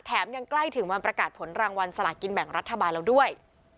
ยังใกล้ถึงวันประกาศผลรางวัลสลากินแบ่งรัฐบาลแล้วด้วย